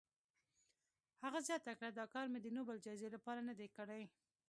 هغه زیاته کړه، دا کار مې د نوبل جایزې لپاره نه دی کړی.